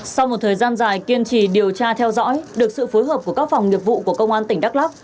sau một thời gian dài kiên trì điều tra theo dõi được sự phối hợp của các phòng nghiệp vụ của công an tỉnh đắk lắk